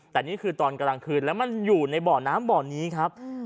แต่นี่คือตอนกลางคืนแล้วมันอยู่ในบ่อน้ำบ่อนี้ครับ